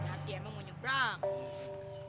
hati emang mau nyebrang